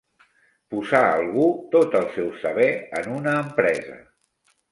Posar algú tot el seu saber en una empresa.